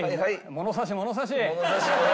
「物差し物差し」。